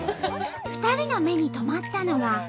２人の目に留まったのが。